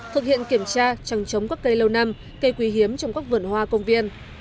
thực hiện kiểm tra trăng trống các cây lâu năm cây quý hiếm trong các vườn hoa công viên